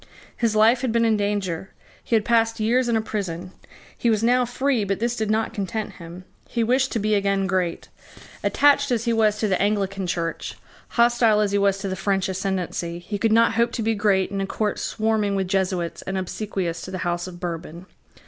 His life had been in danger. He had passed years in a prison. He was now free: but this did not content him: he wished to be again great. Attached as he was to the Anglican Church, hostile as he was to the French ascendency, he could not hope to be great in a court swarming with Jesuits and obsequious to the House of Bourbon.